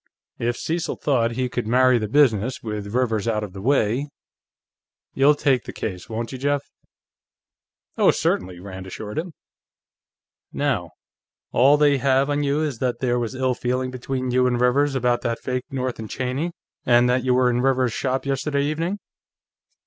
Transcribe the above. If Cecil thought he could marry the business, with Rivers out of the way.... You'll take the case, won't you, Jeff?" "Oh, certainly," Rand assured him. "Now, all they have on you is that there was ill feeling between you and Rivers about that fake North & Cheney, and that you were in Rivers's shop yesterday evening?"